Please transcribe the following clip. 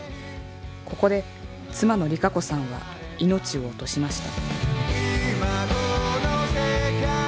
ここで妻の理香子さんは命を落としました。